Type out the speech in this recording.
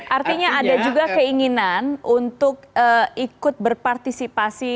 artinya ada juga keinginan untuk ikut berpartisipasi